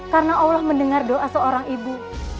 karena allah mendengar doa seorang ibu